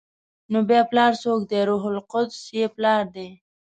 نو بیا پلار څوک دی؟ روح القدس یې پلار دی؟